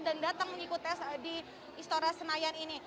dan datang mengikuti di istora senayan ini